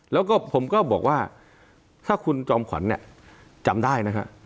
แล้วก็ผมก็บอกว่าถ้าคุณจอมขวัญจำได้นะครับ